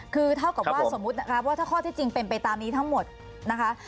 คือเท่ากับว่าสมมุตินะคะว่าถ้าข้อที่จริงเป็นไปตามนี้ทั้งหมดนะคะ